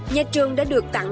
nhà trường đã được tặng